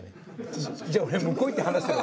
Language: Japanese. じゃあ俺向こう行って話してるわ。